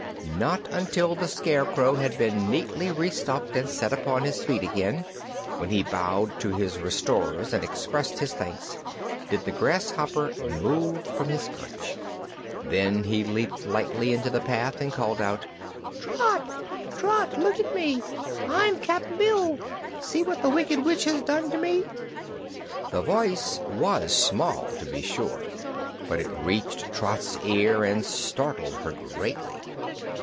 Not until the Scarecrow had been neatly restuffed and set upon his feet again when he bowed to his restorers and expressed his thanks did the grasshopper move from his perch. Then he leaped lightly into the path and called out: "Trot Trot! Look at me. I'm Cap'n Bill! See what the Wicked Witch has done to me." The voice was small, to be sure, but it reached Trot's ears and startled her greatly.